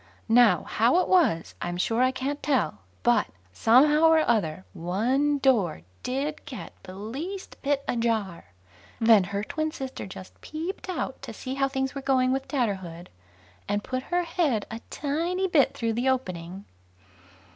Now, how it was, I'm sure I can't tell; but somehow or other one door did get the least bit ajar, then her twin sister just peeped out to see how things were going with Tatterhood, and put her head a tiny bit through the opening.